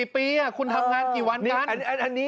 ๔ปีคุณทำงานกี่วันกัน